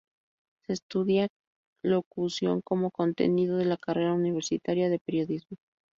Se estudia locución como contenido de la carrera universitaria de Periodismo.